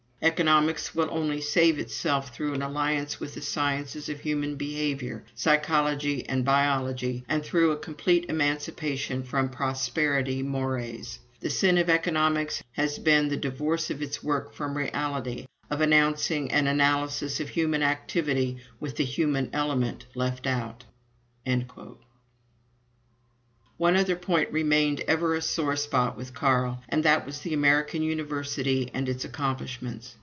"Economics will only save itself through an alliance with the sciences of human behavior, psychology, and biology, and through a complete emancipation from 'prosperity mores.' ... The sin of Economics has been the divorce of its work from reality, of announcing an analysis of human activity with the human element left out." One other point remained ever a sore spot with Carl, and that was the American university and its accomplishments.